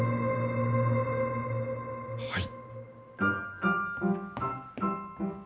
はい。